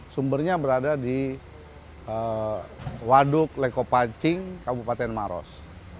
sumbernya berada di waduk leko pancing kabupaten maros